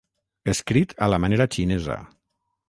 Escrit a la manera xinesa.